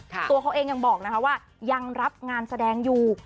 ตัวเขาเองยังบอกนะคะว่ายังรับงานแสดงอยู่